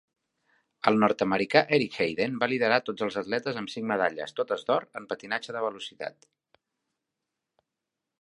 El nord-americà Eric Heiden va liderar a tots els atletes amb cinc medalles, totes d'or, en patinatge de velocitat.